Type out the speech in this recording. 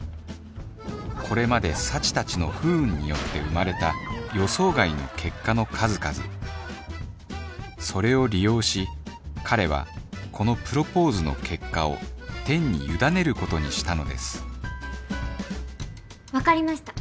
これまで幸たちの不運によって生まれた予想外の結果の数々それを利用し彼はこのプロポーズの結果を天に委ねることにしたのです分かりました。